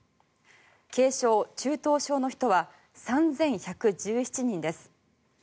軽症・中等症の人は３１１７人です。